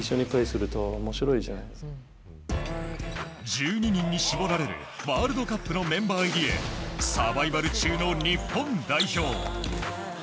１２人に絞られるワールドカップのメンバー入りへサバイバル中の日本代表。